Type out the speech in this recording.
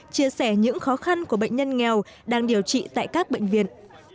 chia sẻ những khó khăn của bệnh nhân nghèo đang điều trị tại các bệnh viện